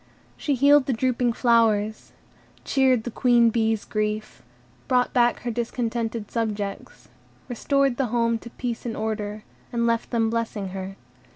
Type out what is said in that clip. She healed the drooping flowers, cheered the Queen Bee's grief, brought back her discontented subjects, restored the home to peace and order, and left them blessing her.